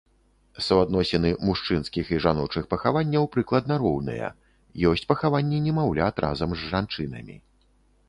Суадносіны мужчынскіх і жаночых пахаванняў прыкладна роўныя, ёсць пахаванні немаўлят разам з жанчынамі.